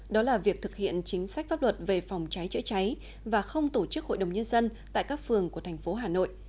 đó là việc thực hiện chính sách pháp luật về phòng cháy chữa cháy và không tổ chức hội đồng nhân dân tại các phường của thành phố hà nội